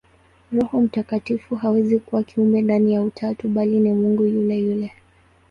Roho Mtakatifu hawezi kuwa kiumbe ndani ya Utatu, bali ni Mungu yule yule.